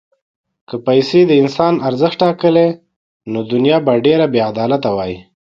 که پیسې د انسان ارزښت ټاکلی، نو دنیا به ډېره بېعدالته وای.